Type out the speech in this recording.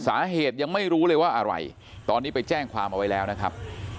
สาเหตุยังไม่รู้เลยว่าอะไรตอนนี้ไปแจ้งความเอาไว้แล้วนะครับ